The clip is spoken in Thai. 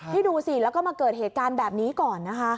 นี่ดูสิแล้วก็มาเกิดเหตุการณ์แบบนี้ก่อนนะคะ